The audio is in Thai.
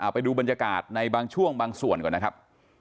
ไปดูบรรยากาศในบางช่วงบางส่วนก่อนนะครับ